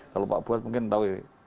kalau pak buas mungkin tau ya